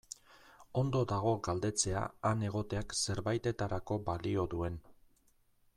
Ondo dago galdetzea han egoteak zerbaitetarako balio duen.